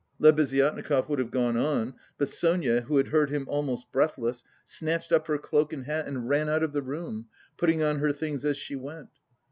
Lebeziatnikov would have gone on, but Sonia, who had heard him almost breathless, snatched up her cloak and hat, and ran out of the room, putting on her things as she went.